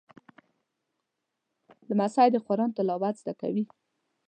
لمسی د قرآن تلاوت زده کوي.